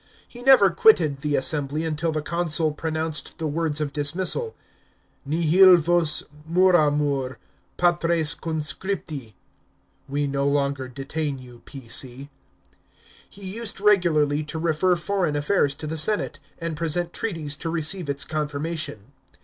He never quitted the assembly until the consul pronounced the words of dismissal — Nihil vos moramur, Patres Conscripti (" We no longer detain you, P.C."). He used regularly to refer foreign affairs to the senate, and present treaties to receive its confirmation.